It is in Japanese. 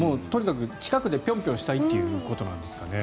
近くでピョンピョンしたいってことなんですかね。